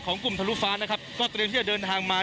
กลุ่มทะลุฟ้านะครับก็เตรียมที่จะเดินทางมา